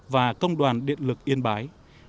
và công đoàn điện lực yên bái